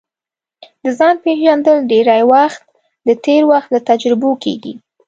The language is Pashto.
د ځان پېژندل ډېری وخت د تېر وخت له تجربو کیږي